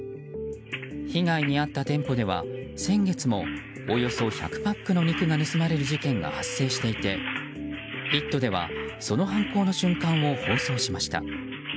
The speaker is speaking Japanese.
被害に遭った店舗では先月もおよそ１００パックの肉が盗まれる事件が発生していて「イット！」ではその犯行の瞬間を放送しました。